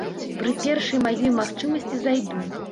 Пры першай маёй магчымасці зайду.